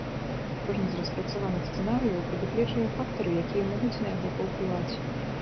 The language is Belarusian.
Кожны з распрацаваных сцэнарыяў прадугледжвае фактары, якія могуць на яго паўплываць.